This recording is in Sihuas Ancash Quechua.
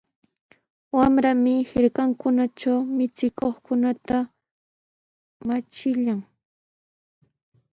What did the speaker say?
Wayrami hirkakunatraw michikuqkunata waychillan.